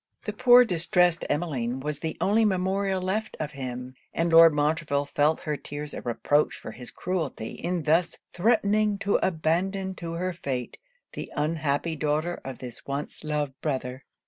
The poor distrest Emmeline was the only memorial left of him; and Lord Montreville felt her tears a reproach for his cruelty in thus threatening to abandon to her fate, the unhappy daughter of this once loved brother.